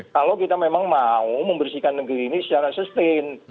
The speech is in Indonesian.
kalau kita memang mau membersihkan negeri ini secara sustain